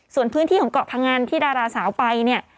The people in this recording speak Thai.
ส่วนพื้นที่ของเกาะพงันที่ดาราสาวไปเนี่ย